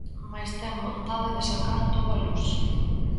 Mais ten vontade de sacar todo á luz.